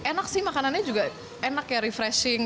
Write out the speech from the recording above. enak sih makanannya juga enak ya refreshing